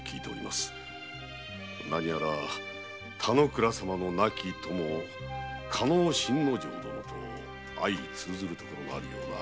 何やら田之倉様の亡き友加納信之丞と相通ずるところがあるような。